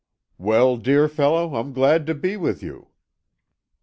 "Well, dear fellow, I'm glad to be with you."